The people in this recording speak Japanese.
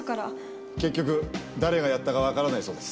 結局誰がやったかわからないそうです。